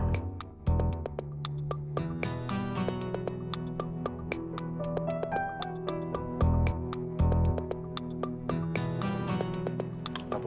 terima kasih pak